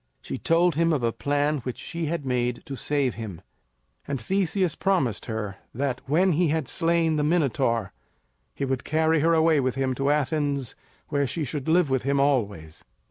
She told him of a plan which she had made to save him; and Theseus promised her that, when he had slain the Minotaur, he would carry her away with him to Athens where she should live with him always.